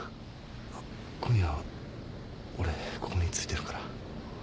あっ今夜俺ここについてるから。